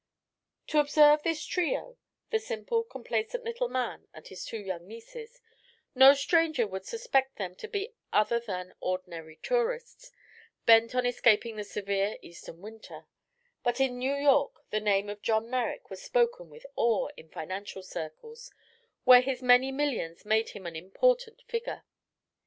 To observe this trio the simple, complacent little man and his two young nieces no stranger would suspect them to be other than ordinary tourists, bent on escaping the severe Eastern winter; but in New York the name of John Merrick was spoken with awe in financial circles, where his many millions made him an important figure.